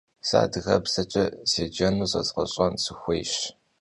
Se adıgebzeç'e sêcenu zezğeş'en sıxuêyş.